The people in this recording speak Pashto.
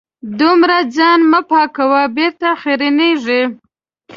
دومره ځان مه پاکوه .بېرته خیرنېږې